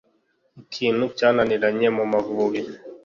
ikintu cyananiranye mu Mavubi